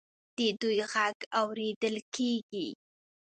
د دوی غږ اوریدل کیږي.